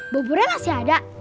buburnya masih ada